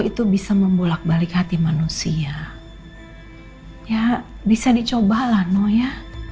itu bisa membolak balik hati manusia ya bisa dicoba lano ya